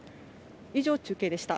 以上、中継でした。